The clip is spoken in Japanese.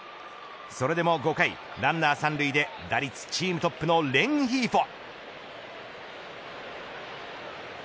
それでも５回ランナー三塁で打率チームトップのレンヒーフォ。